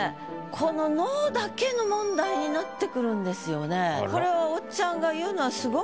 この「の」だけの問題になってくるんですよね。